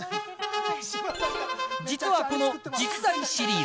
実はこの実在シリーズ。